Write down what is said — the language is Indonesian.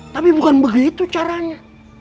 tapi bukan begitu caranya